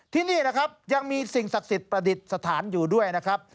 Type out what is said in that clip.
ที่นี่นะครับยังมีสิ่งศักดิ์สิทธิ์ประดิษฐานอยู่ด้วยนะครับ